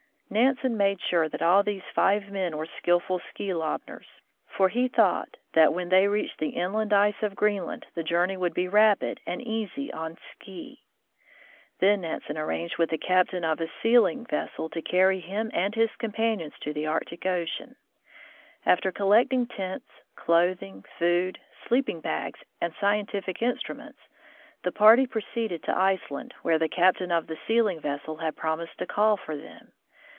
Nansen made sure that all these five men were skillful ski lobners, for he thought that, when they reached the inland ice of Greenland, the journey would be rapid and easy on ski. Then Nansen arranged with the captain of a sealing 108 THE FROZEN NORTH vessel to carry him and his companions to the Arctic ocean. After collecting tents, clothing, food, sleeping bags, and scientific instruments, the party proceeded to Iceland, where the captain of the sealing vessel had promised to call for them.